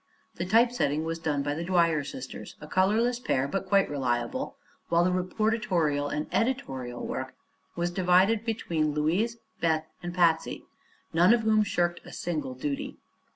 The typesetting was done by the Dwyer sisters a colorless pair but quite reliable while the reportorial and editorial work was divided between Louise, Beth and Patsy, none of whom shirked a single duty.